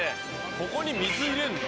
ここに水入れんだ。